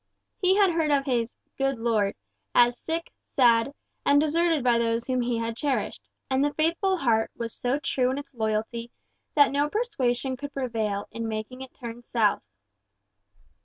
He had heard of his "good lord" as sick, sad, and deserted by those whom he had cherished, and the faithful heart was so true in its loyalty that no persuasion could prevail in making it turn south.